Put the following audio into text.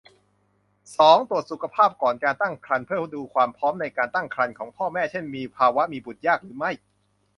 สอง ตรวจสุขภาพก่อนตั้งครรภ์เพื่อดูความพร้อมในการตั้งครรภ์ของพ่อแม่ เช่น มีภาวะมีบุตรยากหรือไม่